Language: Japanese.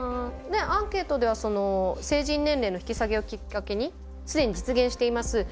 アンケートでは成人年齢の引き下げをきっかけに既に実現しています